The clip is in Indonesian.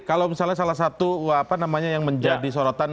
kalau salah satu yang menjadi sorotan